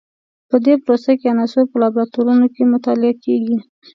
په دې پروسه کې عناصر په لابراتوار کې مطالعه کیږي.